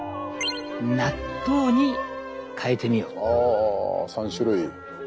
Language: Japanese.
あ３種類。